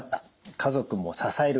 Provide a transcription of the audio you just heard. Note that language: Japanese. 家族も支える。